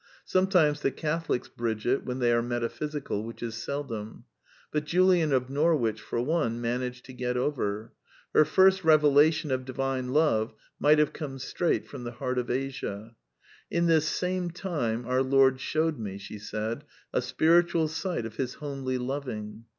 Sometimes the Catholics bridge it, when they are metaphysical, which is seldom. But Julian of Norwich, for one, managed to get over. Her First Eevelation of Divine Love might have come straight from the heart of Asia, ^^ In this same time our Lord shewed me a spiritual sight of His homely loving.